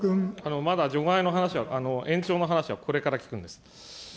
まだ除外の話は、延長の話はこれから聞くんです。